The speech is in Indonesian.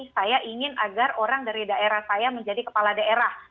saya ingin agar orang dari daerah saya menjadi kepala daerah